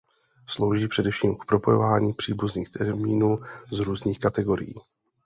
Slouží především k propojování příbuzných termínů z různých kategorií.